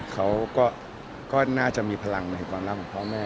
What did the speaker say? เขาก็น่าจะมีพลังในความรักของพ่อแม่